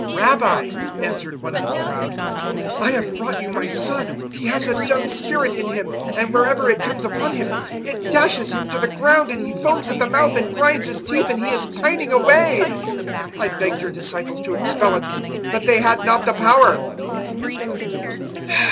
009:017 "Rabbi," answered one of the crowd, "I have brought you my son. He has a dumb spirit in him; 009:018 and wherever it comes upon him, it dashes him to the ground, and he foams at the mouth and grinds his teeth, and he is pining away. I begged your disciples to expel it, but they had not the power."